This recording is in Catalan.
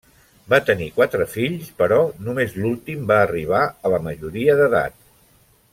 Van tenir quatre fills, però només l'últim va arribar a la majoria d'edat.